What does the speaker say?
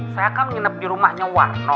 saya akan menginap di rumahnya warno